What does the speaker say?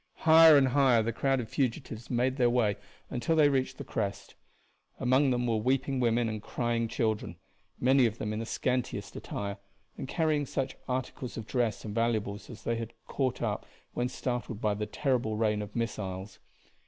Higher and higher the crowd of fugitives made their way until they reached the crest; among them were weeping women and crying children, many of them in the scantiest attire and carrying such articles of dress and valuables as they had caught up when startled by the terrible rain of missiles.